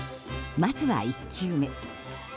まずは１球目。